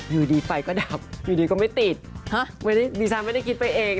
ดูนะขนลุกสู้เลยค่ะ